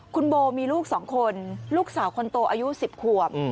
คุณโบมีลูก๒คนลูกสาวคนโตอายุ๑๐ขวบ